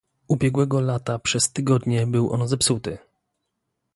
Ubiegłego lata przez tygodnie był on zepsuty